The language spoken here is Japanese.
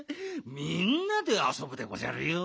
みんなであそぶでごじゃるよ。